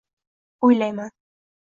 O’ylayman